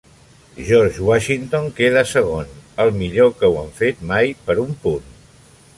George Washington queda segon, el millor que ho han fet mai, per un punt.